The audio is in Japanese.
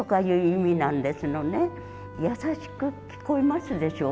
優しく聞こえますでしょ。